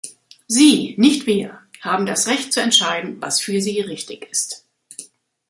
Sie, nicht wir, haben das Recht zu entscheiden, was für sie richtig ist.